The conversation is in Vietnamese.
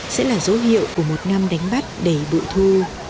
sẽ là dấu hiệu của một năm đánh bắt đầy bụi thu